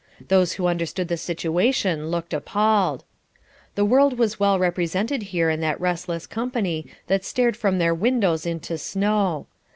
Those who understood the situation looked appalled. The world was well represented there in that restless company that stared from their windows into snow.